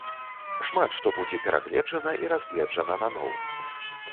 Шмат што будзе перагледжана і разгледжана наноў.